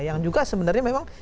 yang juga sebenarnya memang